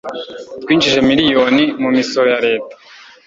Twinjije miliyoni mu misoro ya leta